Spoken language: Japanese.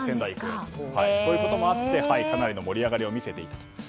そういうこともあってかなりの盛り上がりを見せている。